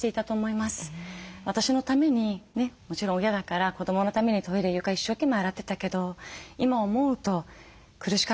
私のためにねもちろん親だから子どものためにトイレ床一生懸命洗ってたけど今思うと苦しかったんだろうなって。